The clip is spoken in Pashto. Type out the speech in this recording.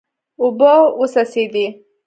اوبه وڅڅېدې.